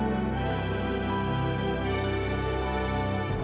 nanti dia bekerja dua ngasih usahanya sa